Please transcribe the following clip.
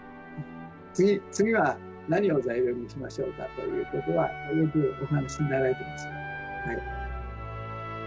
ぜひ、次は何を材料にしましょうかということは、よくお話になられています。